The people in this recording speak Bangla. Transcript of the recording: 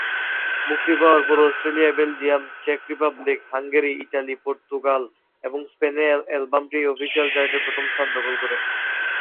মুক্তি পাওয়ার পর অস্ট্রেলিয়া, বেলজিয়াম, চেক রিপাবলিক, হাঙ্গেরি, ইটালি, পর্তুগাল এবং স্পেনে অ্যালবামটি অফিসিয়াল চার্টে প্রথম স্থান দখল করে।